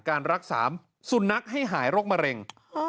การรักษาสุนัขให้หายโรคมะเร็ง